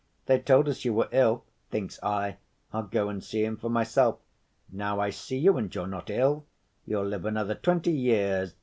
They told us you were ill. Thinks I, I'll go and see him for myself. Now I see you, and you're not ill! You'll live another twenty years.